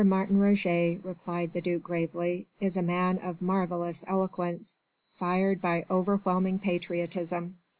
Martin Roget," replied the duc gravely, "is a man of marvellous eloquence, fired by overwhelming patriotism.